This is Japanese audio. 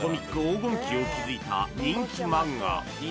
黄金期を築いた人気漫画